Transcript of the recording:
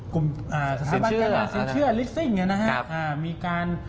กลุ่มสถาบัติสินเชื่อลิสต์สิ่งอย่างนี้นะครับ